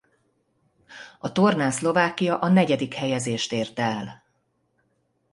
A tornán Szlovákia a negyedik helyezést érte el.